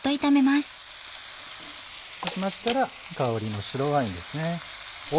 そうしましたら香りの白ワインですね。